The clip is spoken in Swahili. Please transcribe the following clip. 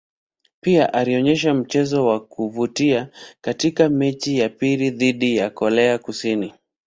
Pia alionyesha mchezo wa kuvutia katika mechi ya pili dhidi ya Korea Kusini.